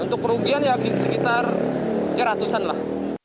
untuk kerugian ya sekitar ya ratusan lah